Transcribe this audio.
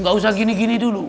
gak usah gini gini dulu